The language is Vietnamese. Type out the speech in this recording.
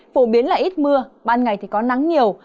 phổ biến là ít mưa ban ngày thì có nắng nhiều